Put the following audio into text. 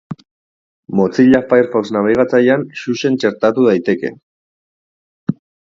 Mozilla Firefox nabigatzailean Xuxen txertatu daiteke.